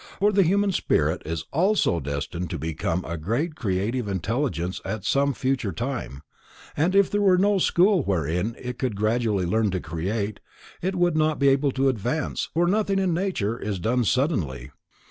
For the Human Spirit is also destined to become a great creative intelligence at some future time, and if there were no school wherein it could gradually learn to create, it would not be able to advance, for nothing in nature is done suddenly.